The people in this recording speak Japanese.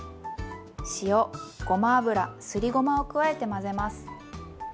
塩ごま油すりごまを加えて混ぜます。